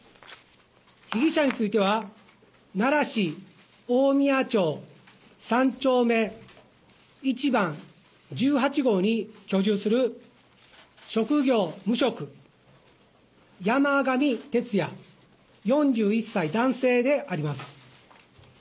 被疑者については、奈良市おおみや町３丁目１番１８号に居住する、職業無職、山上徹也４１歳男性であります。